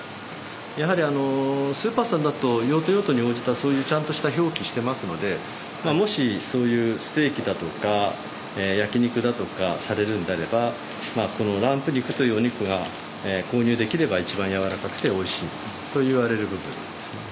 やはりスーパーさんだと用途用途に応じたそういうちゃんとした表記してますのでもしそういうステーキだとか焼き肉だとかされるんであればまあこのランプ肉というお肉が購入できれば一番やわらかくておいしいといわれる部分ですね。